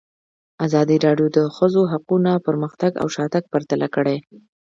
ازادي راډیو د د ښځو حقونه پرمختګ او شاتګ پرتله کړی.